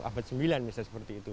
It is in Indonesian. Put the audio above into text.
abad sembilan misalnya seperti itu